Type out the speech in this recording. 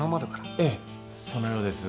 ええそのようです